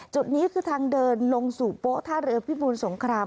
จุดนี้คือทางเดินลงสู่โป๊ท่าเรือพิบูรสงคราม